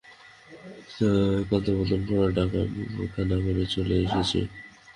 তার একান্ত আবেদনভরা ডাক আমি উপেক্ষা না করে চলে এসেছি।